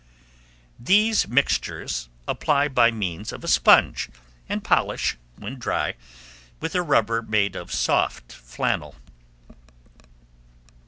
These mixtures apply by means of a sponge, and polish, when dry, with a rubber made of soft flannel.